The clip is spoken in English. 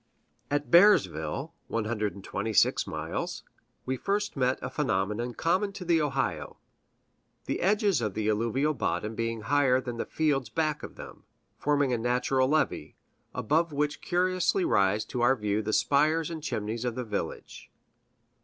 At Bearsville (126 miles) we first meet a phenomenon common to the Ohio the edges of the alluvial bottom being higher than the fields back of them, forming a natural levee, above which curiously rise to our view the spires and chimneys of the village.